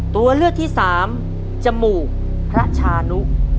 ตัวเลือกที่สามจมูกพระชานุ